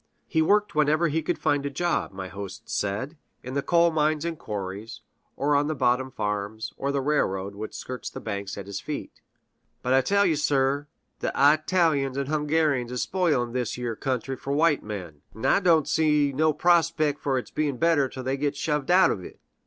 He worked whenever he could find a job, my host said in the coal mines and quarries, or on the bottom farms, or the railroad which skirts the bank at his feet. "But I tell ye, sir, th' _I_talians and Hungarians is spoil'n' this yere country fur white men; 'n' I do'n' see no prospect for hits be'n' better till they get shoved out uv 't!"